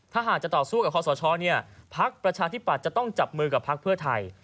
ถ้าหากจะต่อสู้กับคอสชพักประชาธิปัตย์จะต้องจับมือกับพักเพื่อไทย